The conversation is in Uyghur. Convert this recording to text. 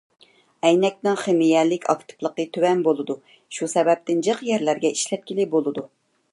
ئەينەكنىڭ خىمىيەلىك ئاكتىپلىقى تۆۋەن بولىدۇ، شۇ سەۋەبتىن جىق يەرلەرگە ئىشلەتكىلى بولىدۇ.